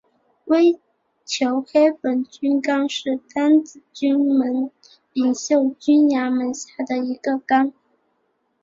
微球黑粉菌纲是担子菌门柄锈菌亚门下的一个纲。